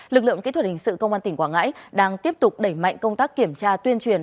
lực lượng kỹ thuật hình sự công an tỉnh quảng ngãi đang tiếp tục đẩy mạnh công tác kiểm tra tuyên truyền